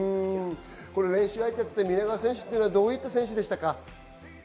練習相手として、皆川選手はどういった選手でしたか？